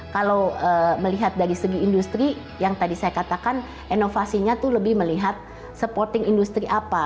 kalau melihat dari segi industri yang tadi saya katakan inovasinya itu lebih melihat supporting industri apa